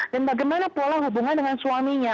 dan bagaimana pola hubungan dengan suaminya